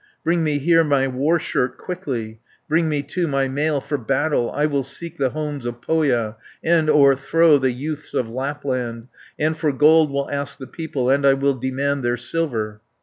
Bring me here my war shirt quickly, Bring me, too, my mail for battle. 80 I will seek the homes of Pohja, And o'erthrow the youths of Lapland, And for gold will ask the people, And I will demand their silver."